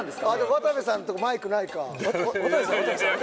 渡部さんとこマイクないか渡部さん